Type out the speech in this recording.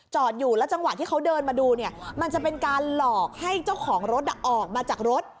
อยู่แล้วจังหวะที่เขาเดินมาดูเนี่ยมันจะเป็นการหลอกให้เจ้าของรถออกมาจากรถ